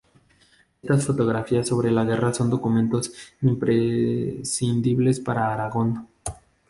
Estas fotografías sobre la guerra son documentos imprescindibles para Aragón.